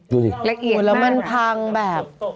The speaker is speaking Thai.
ดูสิละเอียดมากหมดแล้วมันพังแบบ